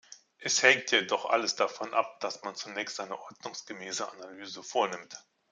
Es hängt jedoch alles davon ab, dass man zunächst eine ordnungsgemäße Analyse vornimmt.